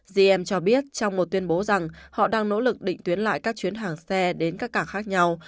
cm cho biết trong một tuyên bố rằng họ đang nỗ lực định tuyến lại các chuyến hàng xe đến các cảng khác nhau